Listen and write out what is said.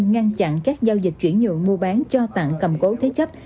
ngăn chặn các giao dịch chuyển nhượng mua bán cho tặng cầm cố thế chấp